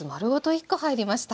１コ入りました。